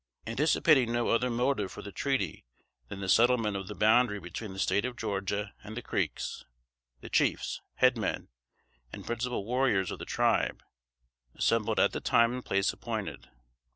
Anticipating no other motive for the treaty than the settlement of the boundary between the State of Georgia and the Creeks, the chiefs, head men and principal warriors of the tribe assembled at the time and place appointed.